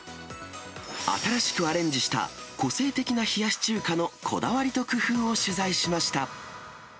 新しくアレンジした、個性的な冷やし中華のこだわりと工夫を取材しました。